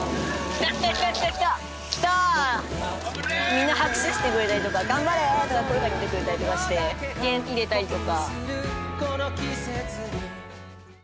みんな拍手してくれたりとか「頑張れ！」とか声掛けてくれたりとかして元気出たりとか。